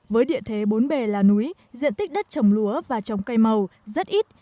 với địa thế bốn b là núi diện tích đất trồng lúa và trồng cây màu rất ít